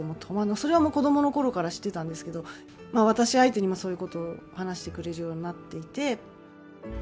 それはもう子どものころから知ってたんですけど、私相手にもそういうことを話してくれるようになっていて。